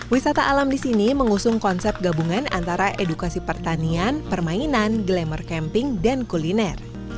wisata alam di sini mengusung konsep gabungan antara edukasi pertanian permainan glamour camping dan kuliner